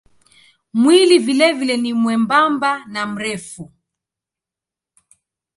Mwili vilevile ni mwembamba na mrefu.